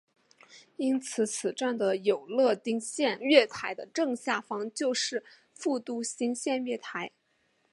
因此此站的有乐町线月台的正下方就是副都心线月台。